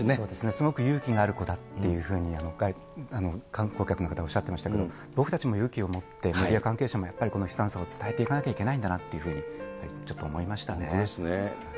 すごく勇気のある子だっていうふうに、観光客の方がおっしゃってましたけど、僕たちも勇気を持ってメディア関係者も悲惨さを伝えていかなきゃいけないんだなと、ちょっと思いましたね。